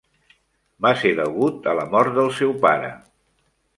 Va ser degut a la mort del seu pare.